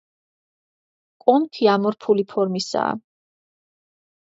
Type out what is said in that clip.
კონქი ამორფული ფორმისაა.